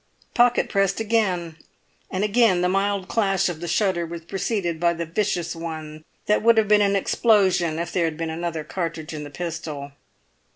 Pocket pressed again, and again the mild clash of the shutter was preceded by the vicious one that would have been an explosion if there had been another cartridge in the pistol.